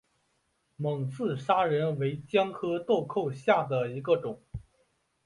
蒙自砂仁为姜科豆蔻属下的一个种。